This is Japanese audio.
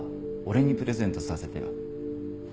俺にプレゼントさせてよ。